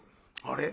あれ？